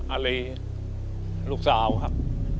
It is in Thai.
อะไรลูกสาวครับ